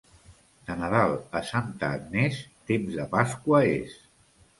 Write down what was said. De Nadal a Santa Agnès, temps de Pasqua és.